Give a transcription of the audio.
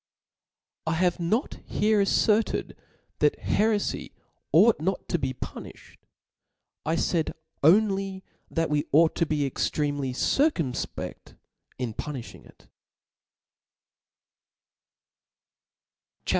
I have not here aflerted that herefy ought not to be punifhed \ I faid only that we ought to be ex tremely circumfpefl: in punilhing it» CHAP.